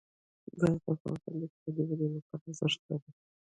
ګاز د افغانستان د اقتصادي ودې لپاره ارزښت لري.